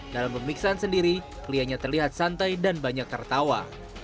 dalam pemeriksaan sendiri kliennya terlihat santai dan banyak tertawa